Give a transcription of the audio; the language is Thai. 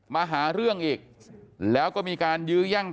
มาหาเรื่องอีกแล้วก็มีการยื้อแย่ง